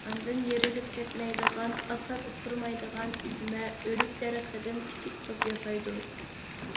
ئاندىن يېرىلىپ كەتمەيدىغان، ئاسان ئۇپرىمايدىغان ئۈجمە، ئۆرۈك دەرىخىدىن كىچىك توپ ياسايدۇ.